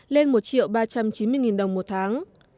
lên một triệu ba trăm chín mươi đồng một tháng